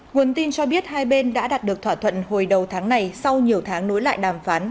nguồn tin cho biết hai bên đã đạt được thỏa thuận hồi đầu tháng này sau nhiều tháng nối lại đàm phán